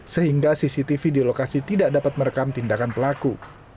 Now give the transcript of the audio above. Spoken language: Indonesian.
sehingga cctv di lokasi tidak dapat merekam tindakan pelaku